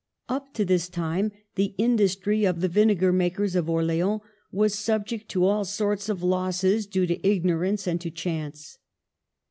Up to this time the industry of the vinegar makers of Orleans was subject to all sorts of losses due to ignorance and to chance.